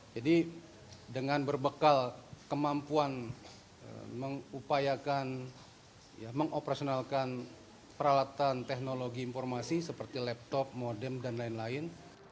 jadi dengan berbekal kemampuan mengupayakan mengoperasionalkan peralatan teknologi informasi seperti laptop modem dan lain lain